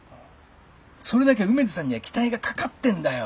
それだけ梅津さんには期待がかかってんだよ。